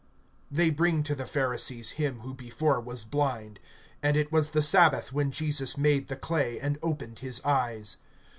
(13)They bring to the Pharisees him who before was blind. (14)And it was the sabbath when Jesus made the clay, and opened his eyes.